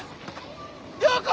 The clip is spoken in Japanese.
良子！